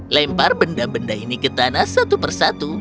lempar benda benda ini ke tanah satu persatu